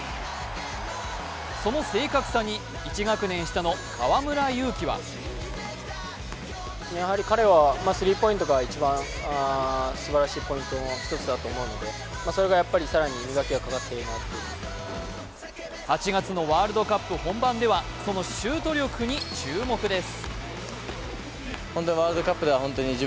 その正確さに１学年下の河村勇輝は８月のワールドカップ本番ではそのシュート力に注目です。